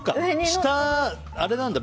下、あれなんだ。